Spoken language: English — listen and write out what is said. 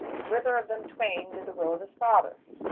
Whether of them twain did the will of his fether